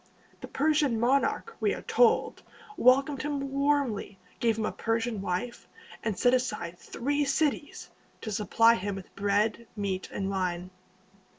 The Persian monarch, we are told, welcomed him warmly, gave him a Persian wife, and set aside three cities to supply him with bread, meat, and wine.